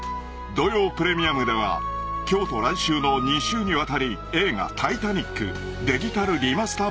［『土曜プレミアム』では今日と来週の２週にわたり映画『タイタニック』デジタルリマスター版を放送］